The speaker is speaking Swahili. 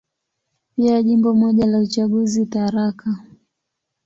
Pia Jimbo moja la uchaguzi, Tharaka.